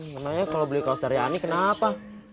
maknanya kalo beli kaos dari ani kenapa